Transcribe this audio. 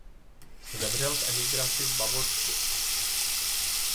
Zemřel v emigraci v Bavorsku.